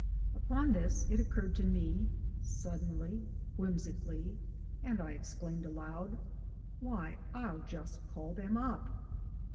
Upon this it occurred to me, suddenly, whimsically, and I exclaimed aloud: "Why, I'll just call them up."